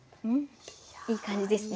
いい感じですね。